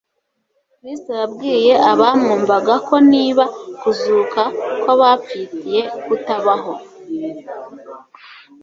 Kristo yabwiye abamwumvaga ko niba kuzuka kw'abapfitye kutabaho,